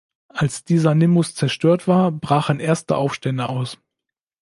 Als dieser Nimbus zerstört war, brachen erste Aufstände aus.